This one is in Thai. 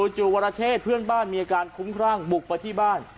จู่วรเชษเพื่อนบ้านมีอาการคุ้มครั่งบุกไปที่บ้าน